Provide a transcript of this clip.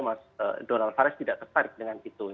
mas donald faris tidak tertarik dengan itu